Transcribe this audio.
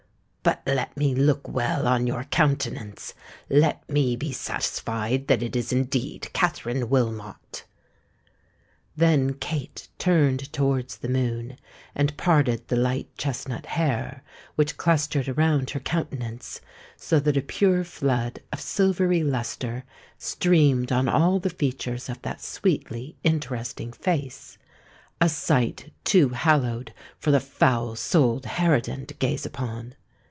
"But let me look well on your countenance—let me be satisfied that it is indeed Katherine Wilmot." Then Kate turned towards the moon, and parted the light chesnut hair: which clustered around her countenance; so that a pure flood of silvery lustre streamed on all the features of that sweetly interesting face—a sight too hallowed for the foul souled harridan to gaze upon!